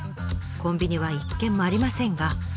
コンビニは一軒もありませんが。